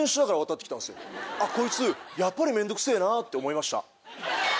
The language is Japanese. こいつやっぱり面倒くせぇなって思いました。